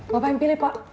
bapak yang pilih pak